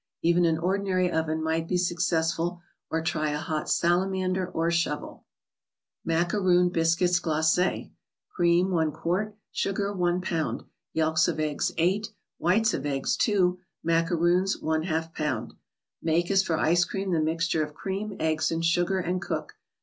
Even an ordinary oven might be successful; or try a hot salamander, or shovel. ^acsrooit 'Bteoiitg (Slacegi. Cream, 1 qt.; Sugar, 1 lb.; Yelks of eggs, 8 ; Whites of eggs. 2 ; Macaroons, X lb. Make as for ice cream the mixture of cream, eggs and sugar, and cook.